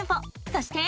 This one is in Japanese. そして。